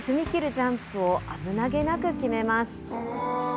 ジャンプを危なげなく決めます。